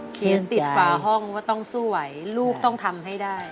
ติดฝาห้องว่าต้องสู้ไหวลูกต้องทำให้ได้